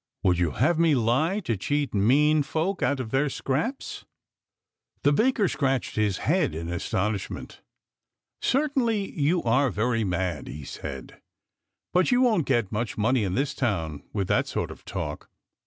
Would you have me lie to cheat mean folk out of their scraps ?" The baker scratched his head in astonish ment. "Certainly you are very mad," he said. " But you won't get much money in this town with that sort of talk.